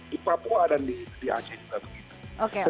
di papua dan di aceh juga begitu